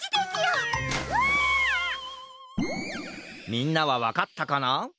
みんなはわかったかな？